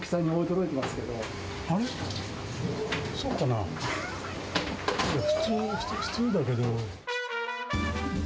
いや、普通だけど。